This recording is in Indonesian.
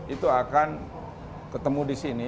itu akan ketemu disini